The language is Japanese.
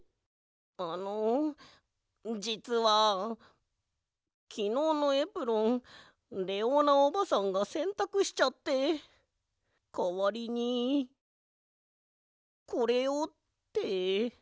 あのじつはきのうのエプロンレオーナおばさんがせんたくしちゃってかわりにこれをって。